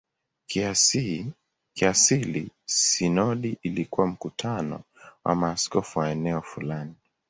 Kiasili sinodi ilikuwa mkutano wa maaskofu wa eneo fulani.